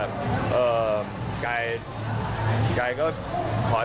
พอแล้ว